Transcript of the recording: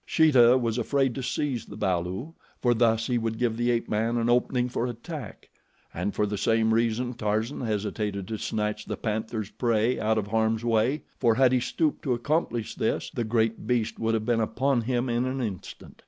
Sheeta was afraid to seize the balu, for thus he would give the ape man an opening for attack; and for the same reason Tarzan hesitated to snatch the panther's prey out of harm's way, for had he stooped to accomplish this, the great beast would have been upon him in an instant.